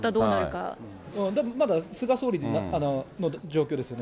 だからまだ、菅総理の状況ですよね。